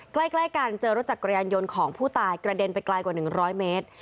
ใกล้กันเจอรถจักรยานยนต์ของผู้ตายกระเด็นไปไกลกว่า๑๐๐เมตร